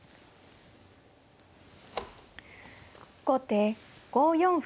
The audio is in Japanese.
後手５四歩。